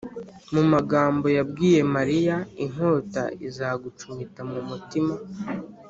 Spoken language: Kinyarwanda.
. Mu magambo yabwiye Mariya, “inkota izagucumita mu mutima,